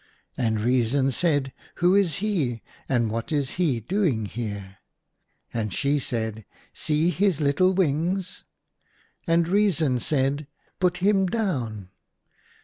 And Reason said, "Who is he, and what is he doing here ?" And she said, "See his little wings " And Reason said, " Put him down."